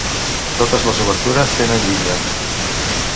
Totes les obertures tenen llinda.